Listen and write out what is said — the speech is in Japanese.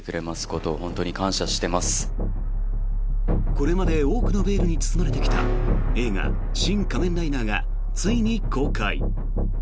これまで多くのベールに包まれてきた映画「シン・仮面ライダー」がついに公開。